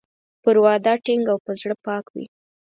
پر وعده ټینګ او په زړه پاک وي.